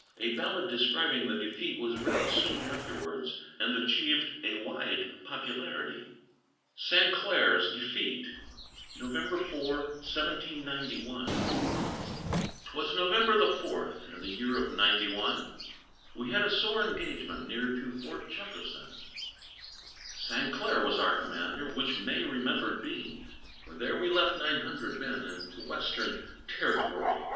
A ballad describing the defeat was written soon afterwards, and achieved a wide popularity. SAINCLAIRE'S DEFEAT [November 4, 1791] 'Twas November the fourth, in the year of ninety one, We had a sore engagement near to Fort Jefferson; Sainclaire was our commander, which may remembered be, For there we left nine hundred men in t' West'n Ter'tory.